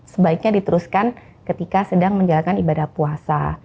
sebaiknya diteruskan ketika sedang menjalankan ibadah puasa